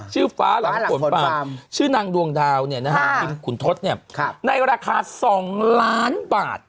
ชื่อฟ้าหลังฝนฟาร์มชื่อนางดวงดาวคุณทศในราคา๒ล้านบาท